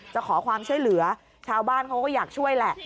จะขอความช่วยเหลือชาวบ้านเขาก็อยากช่วยแหละ